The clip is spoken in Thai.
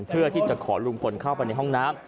เพื่อที่จะขอลุงพลเข้าไปในห้องน้ำ